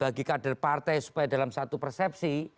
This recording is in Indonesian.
bagi kader partai supaya dalam satu persepsi